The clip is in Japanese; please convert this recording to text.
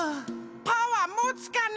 パワーもつかな？